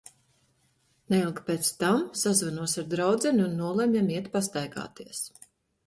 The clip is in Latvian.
Neilgi pēc tam, sazvanos ar draudzeni un nolemjam iet pastaigāties.